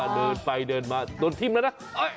เดินไปเดินมาโดนทิ้มแล้วนะ